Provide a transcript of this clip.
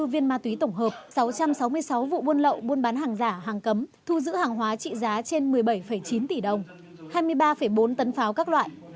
một mươi tám hai trăm hai mươi bốn viên ma túy tổng hợp sáu trăm sáu mươi sáu vụ buôn lậu buôn bán hàng giả hàng cấm thu giữ hàng hóa trị giá trên một mươi bảy chín tỷ đồng hai mươi ba bốn tấn pháo các loại